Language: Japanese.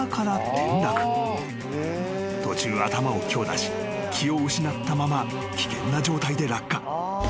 ［途中頭を強打し気を失ったまま危険な状態で落下］